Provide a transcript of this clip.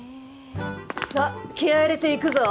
さあ気合入れていくぞ。